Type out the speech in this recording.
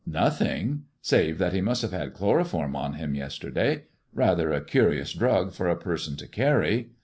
"Nothing ! Save that he must have had chloroform on him yesterday. Rather a curious drug for a person to carry.